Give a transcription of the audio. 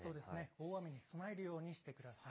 大雨に備えるようにしてください。